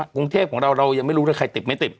กรุงเทพของเรายังไม่รู้ใครติดไหมติด